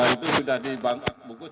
itu sudah dibangun